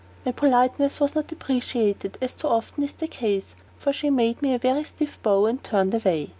My politeness was not appreciated, as too often is the case; for she made me a very stiff bow, and turned away.